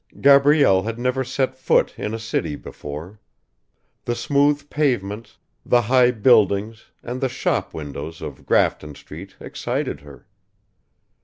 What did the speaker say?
Gabrielle had never set foot in a city before. The smooth pavements, the high buildings and the shop windows of Grafton Street excited her.